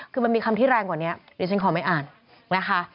คือมันมีคำที่แรงกว่านี้ดิฉันขอไม่อ่านนะคะ